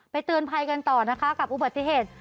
เตือนภัยกันต่อนะคะกับอุบัติเหตุ